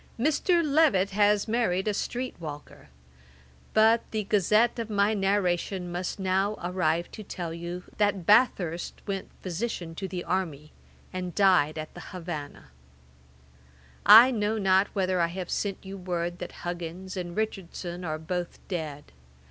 Mr. Levet has married a street walker. But the gazette of my narration must now arrive to tell you, that Bathurst went physician to the army, and died at the Havannah. 'I know not whether I have not sent you word that Huggins and Richardson are both dead.